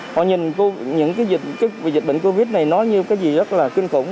họ nhìn những dịch bệnh covid này nói như cái gì rất là kinh khủng